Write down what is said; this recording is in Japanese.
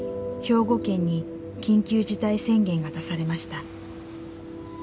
兵庫県に緊急事態宣言が出されました。